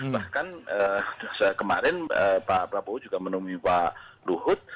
bahkan kemarin pak prabowo juga menemui pak luhut